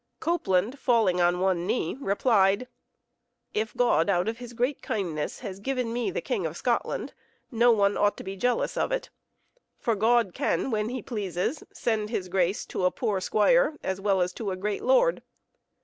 Copeland, falling on one knee, replied, "If God, out of His great kindness, has given me the King of Scotland, no one ought to be jealous of it, for God can, when He pleases, send His grace to a poor squire as well as to a great lord.